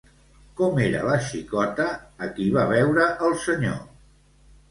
Com era la xicota a qui va veure el senyor?